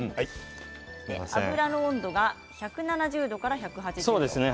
油の温度が１７０度から１８０度です。